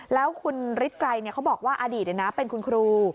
แล้วคุณฤทธิไกรเขาบอกว่าอดีตเป็นคุณครู